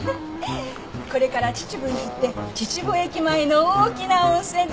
これから秩父に行って秩父駅前の大きな温泉でのんびりしてくるの。